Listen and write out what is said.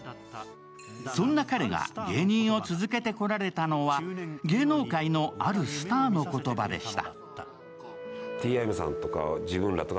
そんな彼が芸人を続けてこられたのは、芸能界のあるスターの言葉でした。